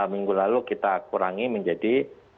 minggu lalu kita kurangi menjadi